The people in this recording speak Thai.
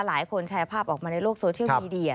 หลายคนแชร์ภาพออกมาในโลกโซเชียลมีเดีย